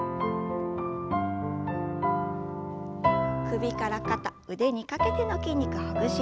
首から肩腕にかけての筋肉ほぐします。